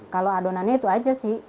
kalau adonannya itu aja sih